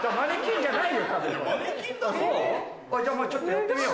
じゃあちょっとやってみよう。